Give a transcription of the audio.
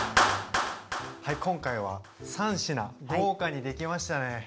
はい今回は３品豪華にできましたね！